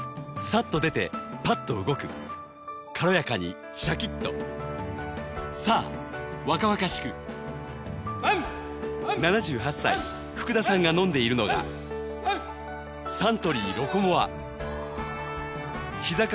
さっと出てパッと動く軽やかにシャキッと７８歳福田さんが飲んでいるのがサントリー「ロコモア」ひざ